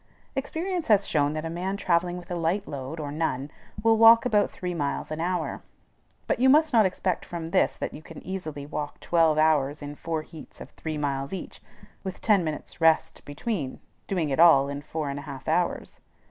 Experience has shown that a man travelling with a light load, or none, will walk about three miles an hour; but you must not expect from this that you can easily walk twelve miles in four heats of three miles each with ten minutes rest between, doing it all in four and a half hours.